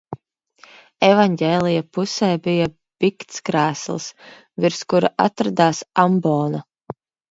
Evaņģēlija pusē bija biktskrēsls, virs kura atradās ambona.